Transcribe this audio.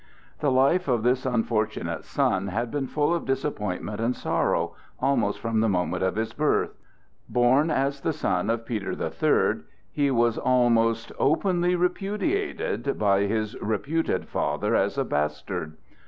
The life of this unfortunate son had been full of disappointment and sorrow, almost from the moment of his birth. Born as the son of Peter the Third, he was almost openly repudiated by his reputed father as a bastard.